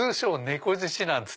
猫？